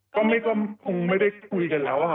ก็คงไม่ได้คุยกันแล้วค่ะ